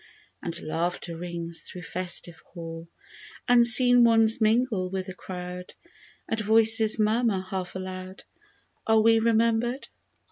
And laughter rings through festive hall ; Unseen ones mingle with the crowd, And voices murmur, half aloud, " Are we remembered